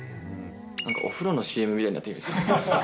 なんかお風呂のＣＭみたいになってる。